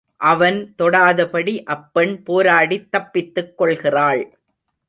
அவன் தொடாதபடி அப்பெண் போராடித் தப்பித்துக் கொள்கிறாள்.